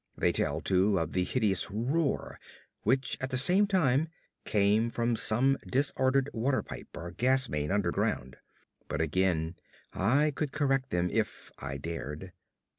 They tell, too, of the hideous roar which at the same time came from some disordered water pipe or gas main underground but again I could correct them if I dared.